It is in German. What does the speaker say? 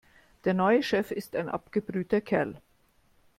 Der neue Chef ist ein abgebrühter Kerl.